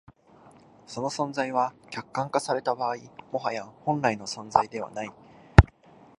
その存在は、客観化された場合、もはや本来の存在でない。